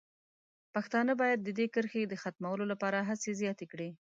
پښتانه باید د دې کرښې د ختمولو لپاره هڅې زیاتې کړي.